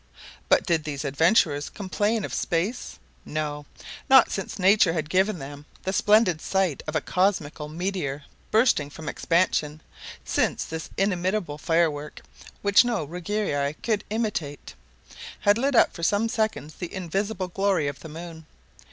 But did these adventurers complain of space? No, not since nature had given them the splendid sight of a cosmical meteor bursting from expansion, since this inimitable firework, which no Ruggieri could imitate, had lit up for some seconds the invisible glory of the moon.